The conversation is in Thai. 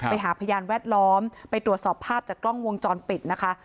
พยานแวดล้อมไปตรวจสอบภาพจากกล้องวงจรปิดนะคะ